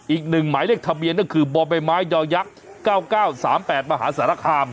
อีกหนึ่งหมายเลขทะเบียนก็คือบ่อใบไม้ยอยักษ์๙๙๓๘มหาสารคาม